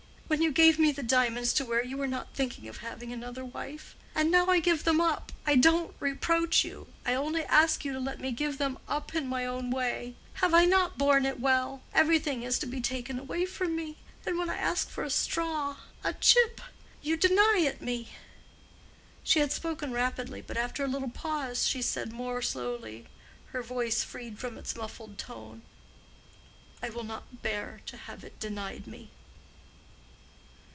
When you gave me the diamonds to wear you were not thinking of having another wife. And I now give them up—I don't reproach you—I only ask you to let me give them up in my own way. Have I not borne it well? Everything is to be taken away from me, and when I ask for a straw, a chip—you deny it me." She had spoken rapidly, but after a little pause she said more slowly, her voice freed from its muffled tone: "I will not bear to have it denied me."